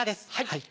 はい。